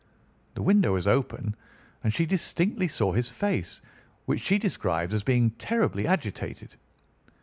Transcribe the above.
The window was open, and she distinctly saw his face, which she describes as being terribly agitated.